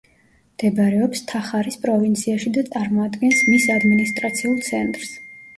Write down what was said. მდებარეობს თახარის პროვინციაში და წარმოადგენს მის ადმინისტრაციულ ცენტრს.